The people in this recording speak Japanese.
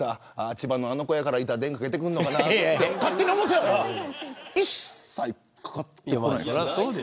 千葉のあの子だからいた電かけてくるのかなって勝手に思っていたら一切かかってこなかった。